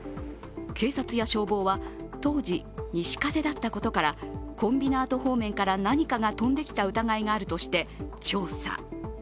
警察や消防は当時、西風だったことからコンビナート方面から何かが飛んできた疑いがあるとして調査。